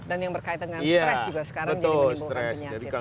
dan yang berkaitan dengan stress juga sekarang jadi penimbulan penyakit